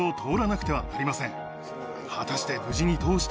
果たして。